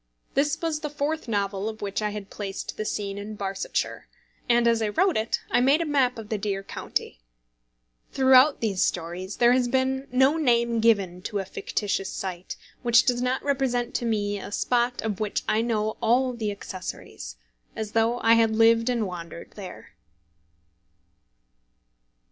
This was the fourth novel of which I had placed the scene in Barsetshire, and as I wrote it I made a map of the dear county. Throughout these stories there has been no name given to a fictitious site which does not represent to me a spot of which I know all the accessories, as though I had lived and wandered there.